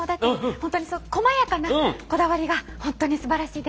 本当にこまやかなこだわりが本当にすばらしいです。